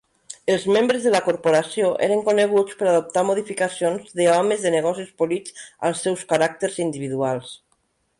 Els membres de la corporació eren coneguts per adoptar modificacions de "homes de negocis polits" als seus caràcters individuals.